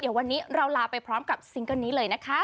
เดี๋ยววันนี้เราลาไปพร้อมกับซิงเกิ้ลนี้เลยนะคะ